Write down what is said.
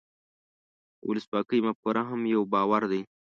د ولسواکۍ مفکوره هم یو باور دی.